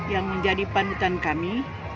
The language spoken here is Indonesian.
yang menjadi pandutan kami